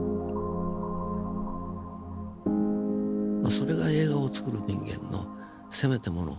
それが映画をつくる人間のせめてもの資格ですね。